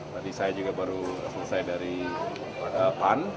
tadi saya juga baru selesai dari pan